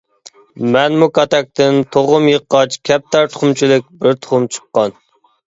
مەنمۇ كاتەكتىن تۇغۇم يىغقاچ كەپتەر تۇخۇمىچىلىك بىر تۇخۇم چىققان.